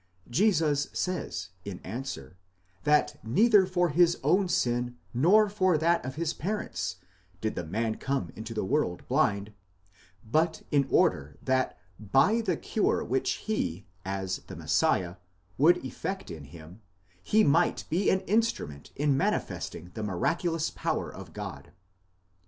Jesus says, in answer, that neither for his own sin nor for that of his parents, did this man come into the world blind; but in order that by the cure which he, as the Messiah, would effect in him, he might be an instrument in manifesting the miraculous power of God.